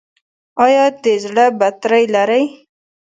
ایا د زړه بطرۍ لرئ؟